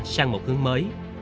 sang một hướng mới